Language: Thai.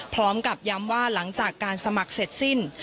พร้อมกับย้ำว่าหลังจากการสมัครเสร็จสิ้น